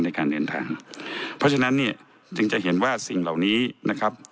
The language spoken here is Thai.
ในการเดินทางเพราะฉะนั้นเนี่ยจึงจะเห็นว่าสิ่งเหล่านี้นะครับ